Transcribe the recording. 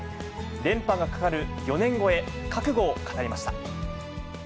連覇がかかる４年後へ、覚悟を語りました。